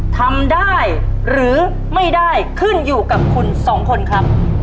ทำได้หรือไม่ได้ขึ้นอยู่กับคุณสองคนครับ